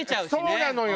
そうなのよ。